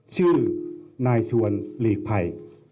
ชื่อนายชวนหลีกภัย